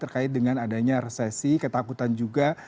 terkait dengan adanya resesi ketakutan juga